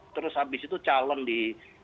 terus habis itu calon di